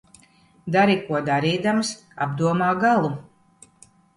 Dari, ko darīdams, apdomā galu.